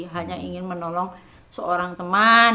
hanya ingin menolong seorang teman